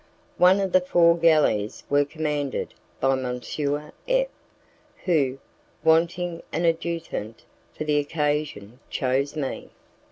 One of the four galleys was commanded by M. F who, wanting an adjutant for the occasion, chose me.